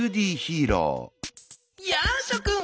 やあしょくん！